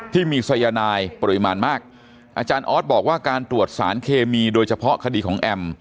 ที่มีสายนายปริมาณมากอาจารย์ออสบอกว่าการตรวจสารเคมีโดยเฉพาะคดีของแอม